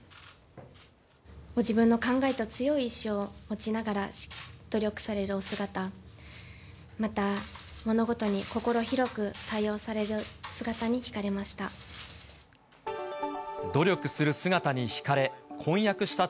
ご自分の考えと強い意志を持ちながら努力されるお姿、また物事に心広く対応される姿にひかれました。